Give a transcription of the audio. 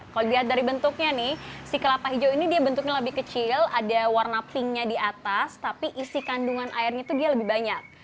kalau dilihat dari bentuknya kelapa hijau ini bentuknya lebih kecil ada warna pinknya di atas tapi isi kandungan airnya lebih banyak